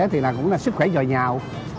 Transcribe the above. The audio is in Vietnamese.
thì cũng là sức khỏe dòi nhào